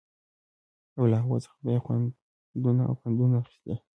او له هغو څخه به يې خوندونه او پندونه اخيستل